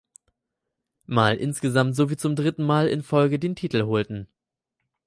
Mal insgesamt sowie zum dritten Mal in Folge den Titel holten.